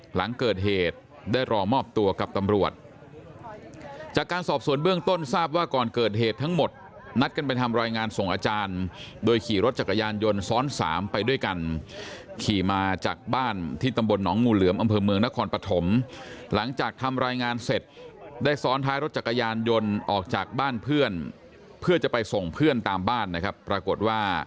หลังเกิดเหตุได้รอมอบตัวกับตำรวจจากการสอบส่วนเบื้องต้นทราบว่าก่อนเกิดเหตุทั้งหมดนัดกันไปทำรายงานส่งอาจารย์โดยขี่รถจักรยานยนต์ซ้อนสามไปด้วยกันขี่มาจากบ้านที่ตำบลหนองงูเหลือมอำเภอเมืองนครปฐมหลังจากทำรายงานเสร็จได้ซ้อนท้ายรถจักรยานยนต์ออกจากบ้านเพื่อนเพื่อจะไปส่งเพื่อนตามบ้านนะครับปรากฏว่า